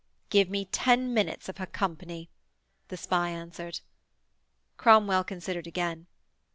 'Give me ten minutes of her company,' the spy answered. Cromwell considered again.